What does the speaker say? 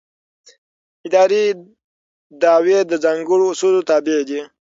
اداري دعوې د ځانګړو اصولو تابع دي.